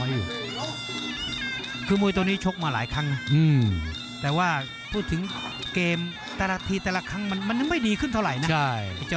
เลือดนักสู้หรือล่ะได้คุณพ่อมาเต็มเลยพี่๐๘